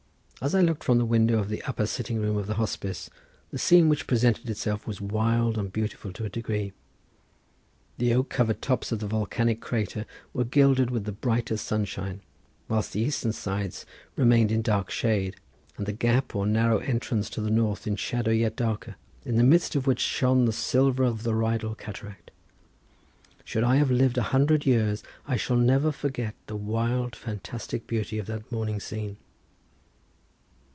As I looked from the window of the upper sitting room of the hospice the scene which presented itself was wild and beautiful to a degree. The oak covered tops of the volcanic crater were gilded with the brightest sunshine, whilst the eastern sides remained in dark shade and the gap or narrow entrance to the north in shadow yet darker, in the midst of which shone the silver of the Rheidol cataract. Should I live a hundred years I shall never forget the wild fantastic beauty of that morning scene.